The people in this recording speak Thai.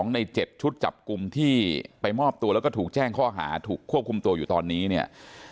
ใน๗ชุดจับกลุ่มที่ไปมอบตัวแล้วก็ถูกแจ้งข้อหาถูกควบคุมตัวอยู่ตอนนี้เนี่ย